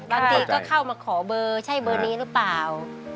บางทีก็เข้ามาขอเบอร์ใช่เบอร์นี้หรือเปล่า